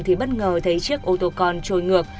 thì bất ngờ thấy chiếc ô tô con trôi ngược